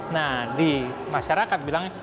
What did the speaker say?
nah di masyarakat bilang